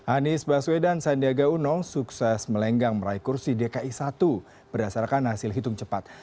anies baswedan sandiaga uno sukses melenggang meraih kursi dki satu berdasarkan hasil hitung cepat